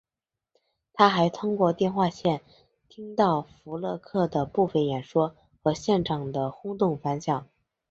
他还通过电话线听到福勒克的部分演说和现场的轰动反响。